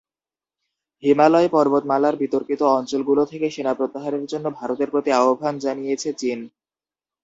হিমালয় পর্বতমালার বিতর্কিত অঞ্চলগুলো থেকে সেনা প্রত্যাহারের জন্য ভারতের প্রতি আহ্বান জানিয়েছে চীন।